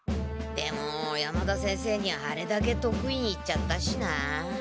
でも山田先生にあれだけとく意に言っちゃったしな。